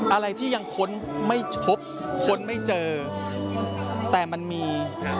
อะไรที่ยังค้นไม่พบค้นไม่เจอแต่มันมี